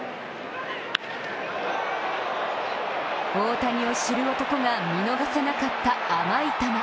大谷を知る男が、見逃さなかった甘い球。